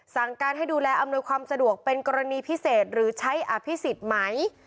สั่งการให้ดูแลอำนวยความสะดวกเป็นกรณีพิเศษหรือใช้อภิษฎไหม